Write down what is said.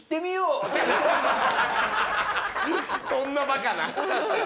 そんなバカな。